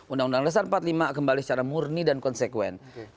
undang undang dasar empat puluh lima kembali secara murni dan konsekuen